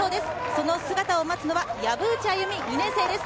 その姿を待つのは藪内あゆみ、２年生です。